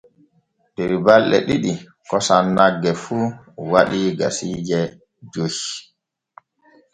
Der balɗe ɗiɗi kosam nagge fu waɗii kasiije joy.